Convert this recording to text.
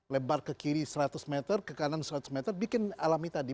lebar ke kiri seratus meter ke kanan seratus meter bikin alami tadi